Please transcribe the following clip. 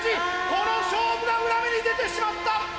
この勝負が裏目に出てしまった！